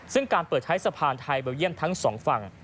ซึ่งการเปิดใช้สะพานไทยเบลเยี่ยมทั้งสองฝั่ง